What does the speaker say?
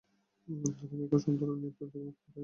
তুমি এখন সব ধরনের নিয়ন্ত্রণ থেকে মুক্ত, তাই না?